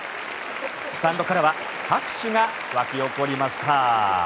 スタンドからは拍手が湧き起こりました。